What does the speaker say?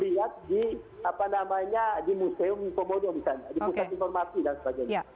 dia bisa lihat di museum komodo di pusat informasi dan sebagainya